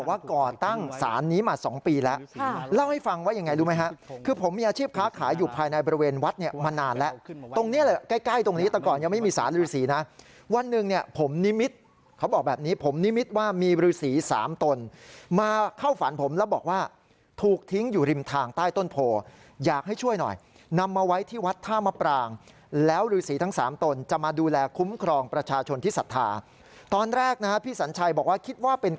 ว่าก่อตั้งศาลนี้มา๒ปีแล้วเล่าให้ฟังว่ายังไงรู้ไหมครับคือผมมีอาชีพค้าขายอยู่ภายในบริเวณวัดเนี่ยมานานแล้วตรงนี้แก้ตรงนี้แต่ก่อนยังไม่มีศาลฤษีนะวันหนึ่งเนี่ยผมนิมิตเขาบอกแบบนี้ผมนิมิตว่ามีศาลฤษี๓ตนมาเข้าฝันผมแล้วบอกว่าถูกทิ้งอยู่ริมทางใต้ต้นโพอยากให้